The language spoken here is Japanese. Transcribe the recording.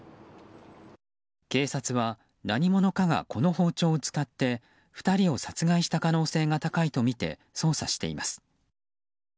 警察は、何者かがこの包丁を使って２人を殺害した可能性が高いとみて捜査しています。